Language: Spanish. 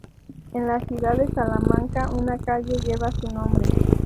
En la ciudad de Salamanca una calle lleva su nombre.